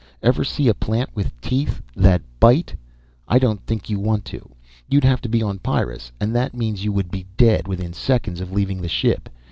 Ever see a plant with teeth that bite? I don't think you want to. You'd have to be on Pyrrus and that means you would be dead within seconds of leaving the ship.